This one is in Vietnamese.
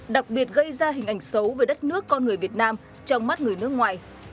đặc biệt gây ra hình ảnh xấu về đất nước con người việt nam trong mắt người nước ngoài